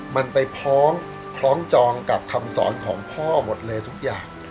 มันไปพ้องคล้องจองกับคำสอนของพ่อหมดเลยทุกอย่าง